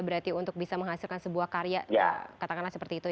berarti untuk bisa menghasilkan sebuah karya katakanlah seperti itu ya